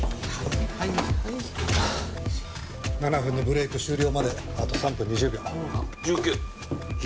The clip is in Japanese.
７分のブレーク終了まであと３分２０秒。